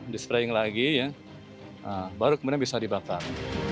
dispraying lagi ya baru kemudian bisa dibakar